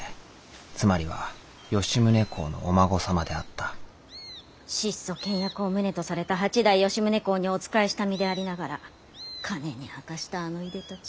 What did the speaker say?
つまりは吉宗公のお孫様であった質素倹約を旨とされた八代吉宗公にお仕えした身でありながら金にあかしたあのいでたち。